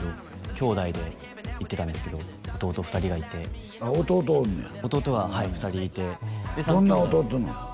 兄弟で行ってたんですけど弟２人がいて弟おんのや弟ははい２人いてどんな弟なの？